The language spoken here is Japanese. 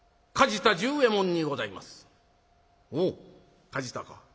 「おう梶田か。